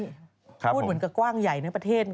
นี่พูดเหมือนกับกว้างใหญ่นะครับประเทศ